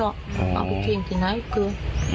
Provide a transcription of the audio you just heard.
เอาทิ้งที่ไหนก็คือ